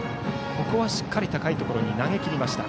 ここはしっかり高いところに投げきった。